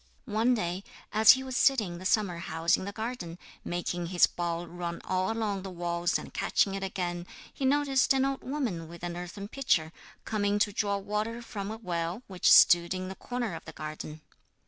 One day, as he was sitting in the summer house in the garden, making his ball run all along the walls and catching it again, he noticed an old woman with an earthen pitcher coming to draw water from a well which stood in a corner of the garden.